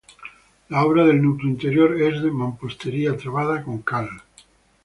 La obra del núcleo interior es de mampostería trabada con cal.